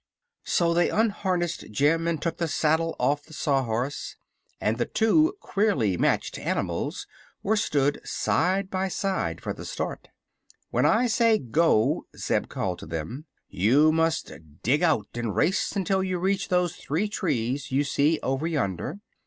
So they unharnessed Jim and took the saddle off the Sawhorse, and the two queerly matched animals were stood side by side for the start. "When I say 'Go!'" Zeb called to them, "you must dig out and race until you reach those three trees you see over yonder.